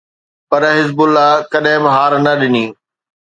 پر Hezbollah ڪڏهن به هار نه ڏني.